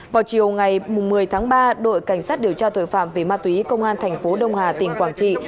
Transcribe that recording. vào chiều ngày một mươi tháng ba đội cảnh sát điều tra tội phạm về ma túy công an thành phố đông hà tỉnh quảng trị